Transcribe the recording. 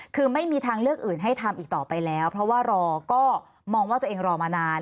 คือไม่มีทางเลือกอื่นให้ทำอีกต่อไปแล้วเพราะว่ารอก็มองว่าตัวเองรอมานาน